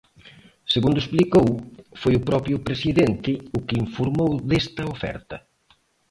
Segundo explicou, foi o propio presidente o que informou desta oferta.